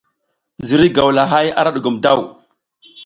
Ziriy gawlahay ara ɗugom daw.